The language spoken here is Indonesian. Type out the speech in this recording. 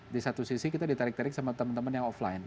di satu sisi kita ditarik tarik sama teman teman yang offline